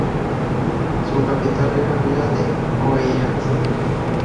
Su capital era "Vila de Oeiras".